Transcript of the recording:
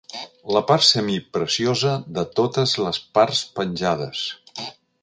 La part semipreciosa de totes les parts penjades.